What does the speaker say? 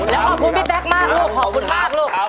แล้วขอบคุณพี่แจ๊คมากลูกขอบคุณมากลูก